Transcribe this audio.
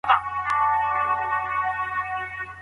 د امبولانس چلوونکی کوم مهارتونه لري؟